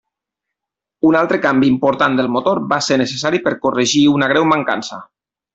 Un altre canvi important del motor va ser necessari per corregir una greu mancança.